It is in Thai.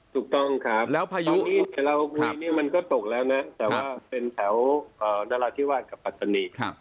ถูกต้องครับคราวนี้มันก็ตกแล้วนะแต่ว่าเป็นแถวนรษวนกับปัตตานี